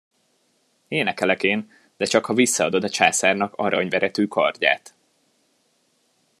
Énekelek én, de csak ha visszaadod a császárnak aranyveretű kardját!